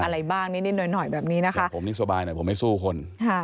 อะไรบ้างนิดหน่อยแบบนี้นะคะผมนี่สบายหน่อยผมไม่สู้คน